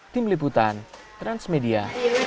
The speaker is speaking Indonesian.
tim liputan transmedia